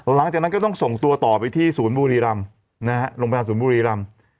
หลังจากนั้นก็ต้องส่งตัวต่อไปที่โรงพยาบาลศูนย์บุรีรัมน์